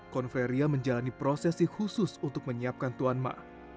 konferia menjalani prosesi khusus untuk menyiapkan tuan ma